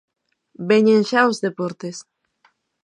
Veñen xa os deportes.